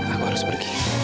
aku harus pergi